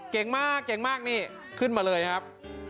เก่งมากนี่ขึ้นมาเลยครับ